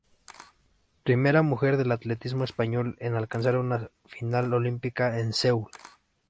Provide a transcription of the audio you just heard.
Primera mujer del atletismo español en alcanzar una final olímpica en Seúl.